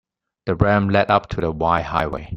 The ramp led up to the wide highway.